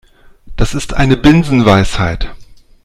Das ist eine Binsenweisheit.